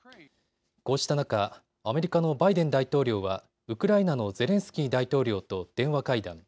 こうした中、アメリカのバイデン大統領はウクライナのゼレンスキー大統領と電話会談。